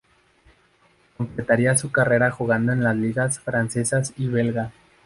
Completaría su carrera jugando en las ligas francesa y belga.